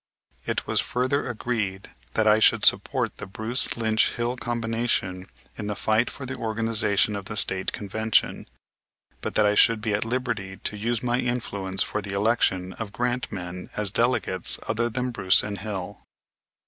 It was further agreed that I should support the Bruce Lynch Hill combination in the fight for the organization of the State Convention, but that I should be at liberty to use my influence for the election of Grant men as delegates other than Bruce and Hill.